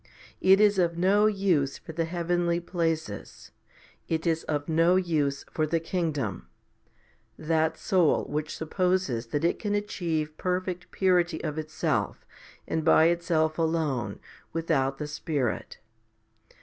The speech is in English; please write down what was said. It is of no use for the heavenly places ; it is of no use for the kingdom that soul which supposes that it can achieve perfect purity of itself, and by itself alone, without the Spirit.